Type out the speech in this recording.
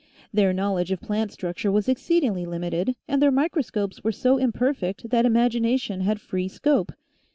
Their knowledge of plant structure was exceedingly limited and their micro scopes were so imperfect that imagination had free scope.